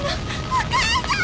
お母さん！